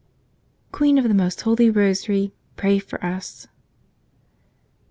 "Queen of the most holy rosary, pray for us